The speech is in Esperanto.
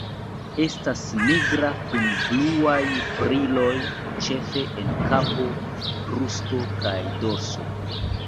Estas nigra kun bluaj briloj, ĉefe en kapo, brusto kaj dorso.